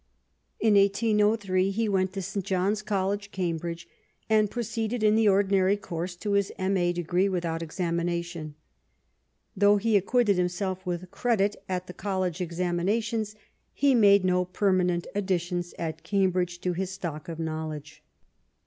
In 1808 he went to St. John's College, Cambridge, and proceeded in the ordinary course to his M.A. degree, without examination. Though he acquitted himself with credit at the College examinations, he made no permanent additions at Cambridge to his stock of knowledge.